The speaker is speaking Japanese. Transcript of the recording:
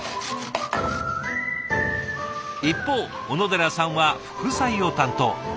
一方小野寺さんは副菜を担当。